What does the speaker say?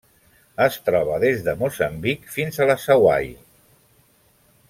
Es troba des de Moçambic fins a les Hawaii.